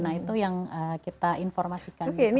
nah itu yang kita informasikan gitu